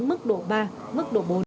mức độ ba mức độ bốn